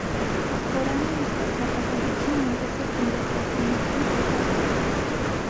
Խորանը ինչպես հատակագծում, այնպես էլ գմբեթարդի մասում պայտաձև է։